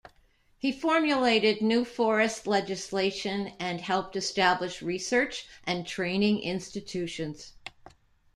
He formulated new forest legislation and helped establish research and training institutions.